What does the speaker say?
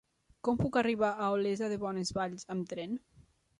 Com puc arribar a Olesa de Bonesvalls amb tren?